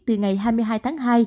từ ngày hai mươi hai tháng hai